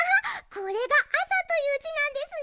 これが「あさ」というじなんですね。